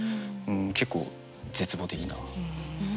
結構絶望的な。